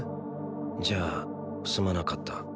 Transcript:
じゃあすまなかった